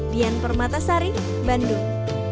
dian permatasari bandung